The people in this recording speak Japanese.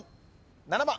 ７番。